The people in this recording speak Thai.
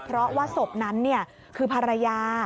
เพราะว่าศพนั้นคือภรรยา